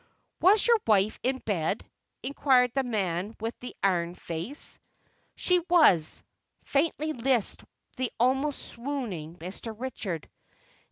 "Was your wife in bed?" inquired the man with the iron face. "She was," faintly lisped the almost swooning Mr. Richard.